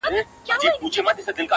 د شاحسین هوتکي آمر